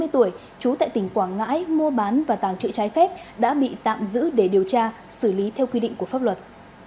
ba mươi tuổi trú tại tỉnh quảng ngãi mua bán và tàng trự trái phép đã bị tạm giữ để điều tra xử lý theo quy định của pháp luật